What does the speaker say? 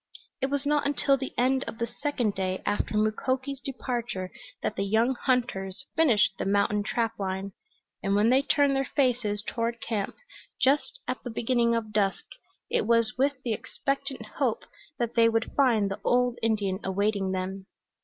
It was not until the end of the second day after Mukoki's departure that the young hunters finished the mountain trap line, and when they turned their faces toward camp just at the beginning of dusk it was with the expectant hope that they would find the old Indian awaiting them.